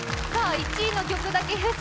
１位の曲だけフェス。